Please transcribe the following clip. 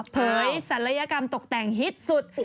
เผยศัลยกรรมตกแต่งฮิตสุด